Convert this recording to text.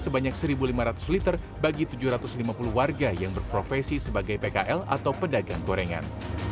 sebanyak satu lima ratus liter bagi tujuh ratus lima puluh warga yang berprofesi sebagai pkl atau pedagang gorengan